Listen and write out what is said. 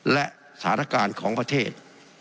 และสถานการณ์ของประเทศ